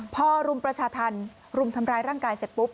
พอรุมประชาธรรมรุมทำร้ายร่างกายเสร็จปุ๊บ